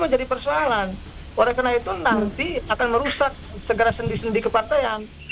jadi persoalan oleh karena itu nanti akan merusak segera sendi sendi kepartaian